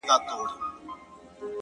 چي نور ساده راته هر څه ووايه ـ